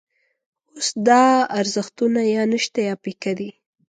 اوس دا ارزښتونه یا نشته یا پیکه دي.